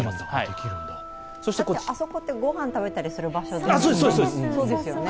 あそこって、ご飯食べたりする場所ですよね。